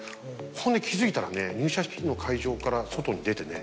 ほんで気付いたらね入社式の会場から外に出てね。